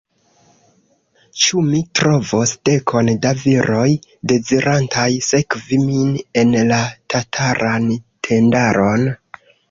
Ĉu mi trovos dekon da viroj, dezirantaj sekvi min en la tataran tendaron?